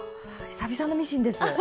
久々のミシンです！